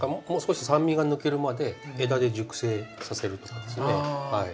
もう少し酸味が抜けるまで枝で熟成させるってことですね。